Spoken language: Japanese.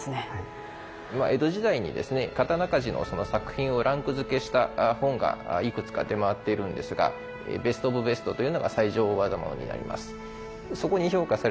江戸時代にですね刀鍛冶のその作品をランク付けした本がいくつか出回っているんですがベスト・オブ・ベストというのが最上大業物になります。